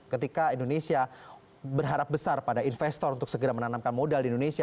ketika indonesia berharap besar pada investor untuk segera menanamkan modal di indonesia